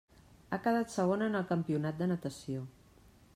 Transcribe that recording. Ha quedat segona en el campionat de natació.